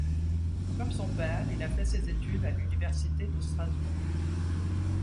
Comme son père, il a fait ses études à l'Université de Strasbourg.